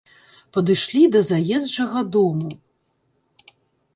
Падышлі да заезджага дому.